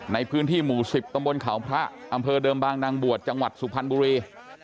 ในพื้นที่หมู่๑๐ตำบลเขาพระอำเภอเดิมบางนางบวชจังหวัดสุพรรณบุรี